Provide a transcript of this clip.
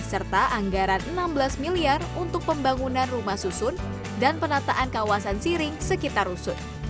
serta anggaran enam belas miliar untuk pembangunan rumah susun dan penataan kawasan siring sekitar rusun